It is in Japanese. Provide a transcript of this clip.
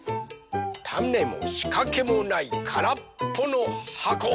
たねもしかけもないからっぽのはこ。